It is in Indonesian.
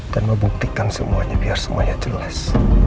dan membuktikan semuanya biar semuanya jelas